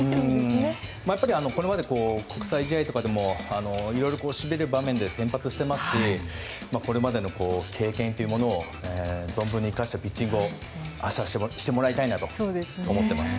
やっぱりこれまで国際試合とかでもいろいろしびれる場面で先発してますしこれまでの経験というものを存分に生かしたピッチングを明日してもらいたいなとそう思っています。